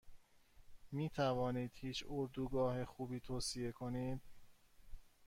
میتوانید هیچ اردوگاه خوبی توصیه کنید؟